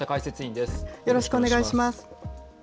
よろしくお願いします。